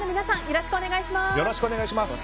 よろしくお願いします。